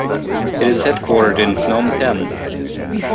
It is headquartered in Phnom Penh.